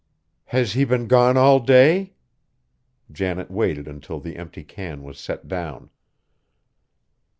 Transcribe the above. "Has he been gone all day?" Janet waited until the empty can was set down.